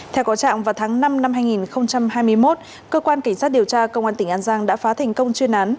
theo có trạng vào tháng năm năm hai nghìn hai mươi một cơ quan cảnh sát điều tra công an tỉnh an giang đã phá thành công chuyên án